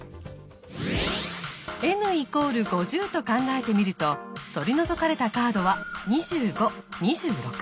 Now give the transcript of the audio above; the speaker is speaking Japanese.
ｎ＝５０と考えてみると取り除かれたカードは２５２６。